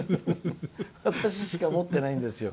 私しか持ってないんですよ。